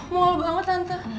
mual banget tante